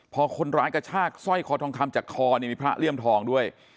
พอคนร้ายกระชากสร้อยคอทองคำจากคอนี่มีพระเลี่ยมทองด้วย